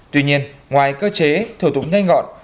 tuy nhiên ngoài cơ chế thủ tục nhanh chóng